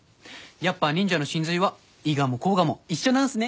やっぱ忍者の神髄は伊賀も甲賀も一緒なんすね。